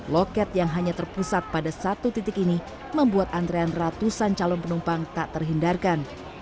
loket yang hanya terpusat pada satu titik ini membuat antrean ratusan calon penumpang tak terhindarkan